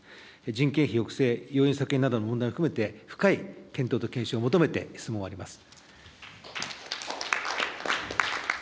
人件費抑制、要員削減なども含めて、深い検討と検証を求めて、質問を終わります。